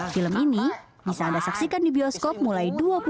film ini bisa anda saksikan di bioskop mulai dua puluh